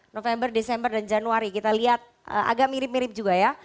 november desember dan januari kita lihat agak mirip mirip juga ya